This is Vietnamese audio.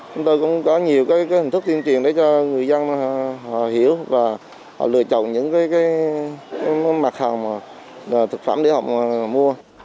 chúng tôi cũng có nhiều cái hình thức tiêm truyền để cho người dân họ hiểu và họ lựa chọn những cái mặt hàng thực phẩm để họ mua